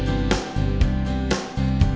enggak karena ini